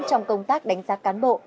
trong công tác đánh giá cán bộ